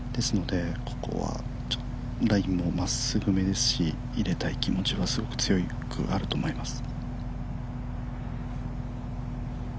ここはラインもまっすぐ目ですし入れたい気持ちがすごく強くあります。